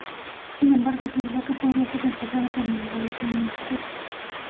Sin embargo, señaló que podría ser reemplazado por una nueva versión en el futuro.